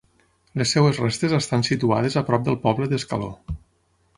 Les seves restes estan situades a prop del poble d'Escaló.